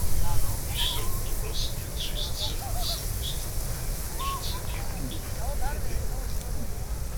Jsou to vlastně tři zcela samostatné třicetiminutové filmy.